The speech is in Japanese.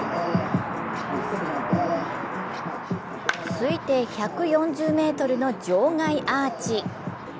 推定１４０ｍの場外アーチ。